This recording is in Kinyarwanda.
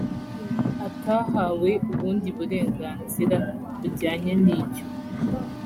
atahawe ubundi burenganzira bujyanye n icyo